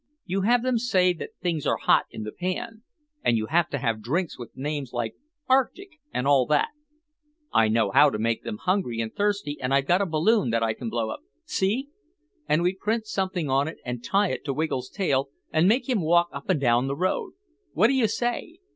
You have them say that things are hot in the pan and you have to have drinks with names like arctic and all like that. I know how to make them hungry and thirsty and I've got a balloon that I can blow up—see? And we'd print something on it and tie it to Wiggle's tail and make him walk up and down the road. What do you say?